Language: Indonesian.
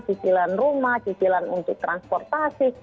cicilan rumah cicilan untuk transportasi